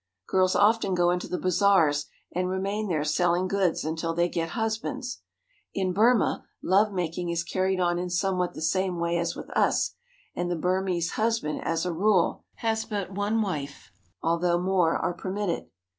Girls often go into the bazaars, and remain there selling goods until they get husbands. In Burma love making is carried on in somewhat the same way as with us ; and the Burmese husband has, as a rule, but one wife, although more are permitted.